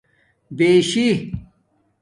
بشی